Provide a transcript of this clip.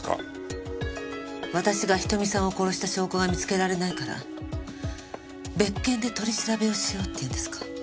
私が瞳さんを殺した証拠が見つけられないから別件で取り調べをしようっていうんですか？